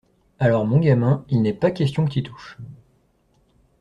Alors, mon gamin, il n’est pas question que t’y touches!